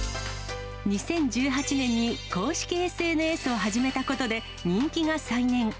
２０１８年に公式ＳＮＳを始めたことで、人気が再燃。